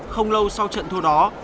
không lâu sau trận thua đó